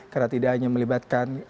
karena tidak hanya melibatkan